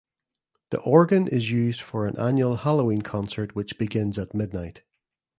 The organ is used for an annual Halloween concert which begins at midnight.